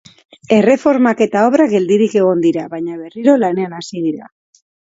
Erreformak eta obrak geldirik egon dira, baina berirro lanean hasi dira.